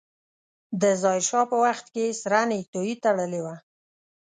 د ظاهر شاه په وخت کې يې سره نيکټايي تړلې وه.